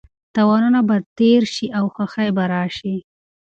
تاوانونه به تېر شي او خوښي به راشي.